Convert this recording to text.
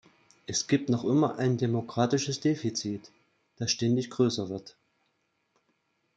Es gibt noch immer ein demokratisches Defizit, das ständig größer wird.